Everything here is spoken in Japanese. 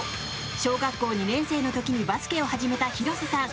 小学校２年生の時にバスケを始めた広瀬さん。